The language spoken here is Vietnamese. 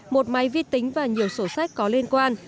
một máy vi tính và nhiều sổ sách có liên quan